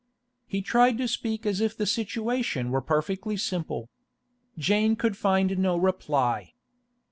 He tried to speak as if the situation were perfectly simple. Jane could find no reply.